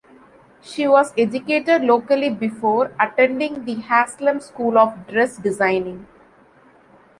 She was educated locally before attending the Haslem School of Dress Designing.